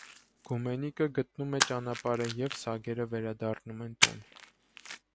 Գումենիկը գտնում է ճանապարհը, և սագերը վերադառնում են տուն։